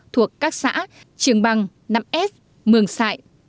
thuộc các xã trường bằng năm ép mường sại